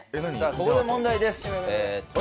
ここで問題です鳥